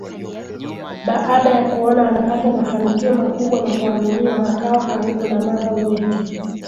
Baada ya kuona anapata mafanikio makubwa na kuaminiwa akawa karibu na mambo nyeti